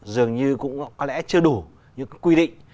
dường như cũng có lẽ chưa đủ những quy định